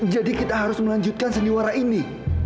jadi kita harus melanjutkan seniwara ini